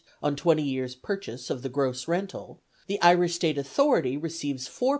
on twenty years' purchase of the gross rental; the Irish State Authority receives £4 per cent.